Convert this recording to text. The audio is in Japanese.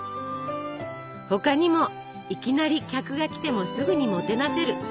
他にも「いきなり」客が来てもすぐにもてなせる。